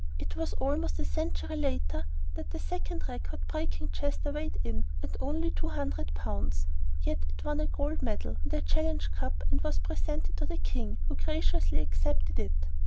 It was almost a century later that the second record breaking Chester weighed in, at only 200 pounds. Yet it won a Gold Medal and a Challenge Cup and was presented to the King, who graciously accepted it.